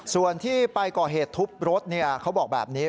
ส่วนที่ไปก่อเหตุทุบรถเขาบอกแบบนี้